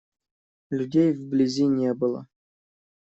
Людей вблизи не было.